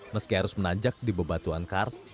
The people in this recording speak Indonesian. meski harus menanjak di bebatuan kars